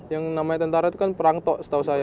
yang namanya tentara itu kan perang tok setahu saya